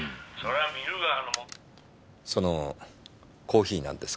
そのコーヒーなんですが。